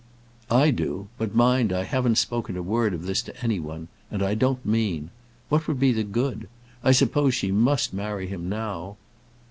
"I do. But mind, I haven't spoken a word of this to any one. And I don't mean. What would be the good? I suppose she must marry him now?"